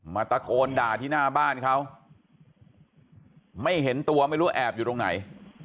ตะโกนด่าที่หน้าบ้านเขาไม่เห็นตัวไม่รู้แอบอยู่ตรงไหน